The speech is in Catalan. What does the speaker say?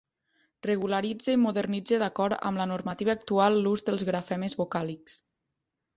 Regularitze i modernitze d’acord amb la normativa actual l’ús dels grafemes vocàlics.